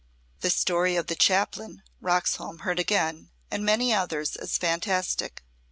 The story of the Chaplain, Roxholm heard again, and many others as fantastic.